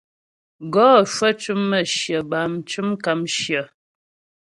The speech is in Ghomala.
Gɔ cwə cʉm mə̌shyə bâm mcʉm kàmshyə.